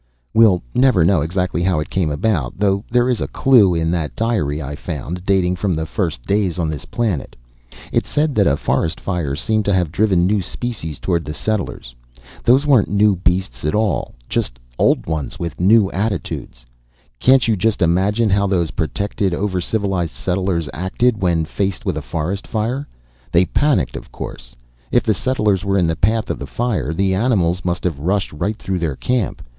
"We'll never know exactly how it came about, though there is a clue in that diary I found, dating from the first days on this planet. It said that a forest fire seemed to have driven new species towards the settlers. Those weren't new beasts at all just old ones with new attitudes. Can't you just imagine how those protected, over civilized settlers acted when faced with a forest fire? They panicked of course. If the settlers were in the path of the fire, the animals must have rushed right through their camp.